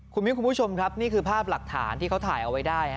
คุณมิ้นคุณผู้ชมครับนี่คือภาพหลักฐานที่เขาถ่ายเอาไว้ได้